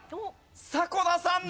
迫田さん